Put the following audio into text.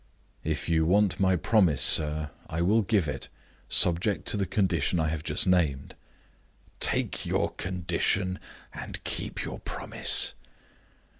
"If you want my promise, sir, I will give it subject to the condition I have just named." "Take your condition, and keep your promise.